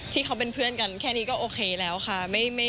ที่เขาเป็นเพื่อนกันแค่นี้ก็โอเคแล้วค่ะ